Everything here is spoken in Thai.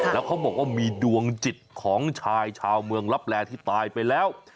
แล้วเขาบอกว่ามีดวงจิตของชายชาวเมืองลับแลที่ตายไปแล้ว